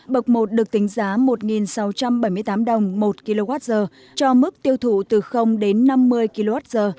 bậc một được tính giá một sáu trăm bảy mươi tám đồng một kwh cho mức tiêu thụ từ đến năm mươi kwh